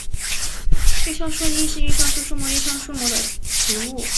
愈创树亦称愈创木是愈创木属的植物。